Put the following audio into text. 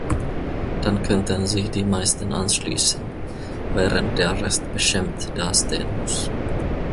Dann könnten sich die meisten anschließen, während der Rest beschämt dastehen muss.